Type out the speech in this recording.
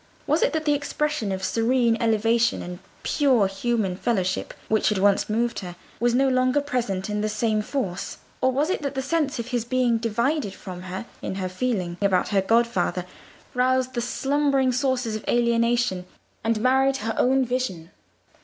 Was it that the expression of serene elevation and pure human fellowship which had once moved her was no longer present in the same force, or was it that the sense of his being divided from her in her feeling about her godfather roused the slumbering sources of alienation, and marred her own vision?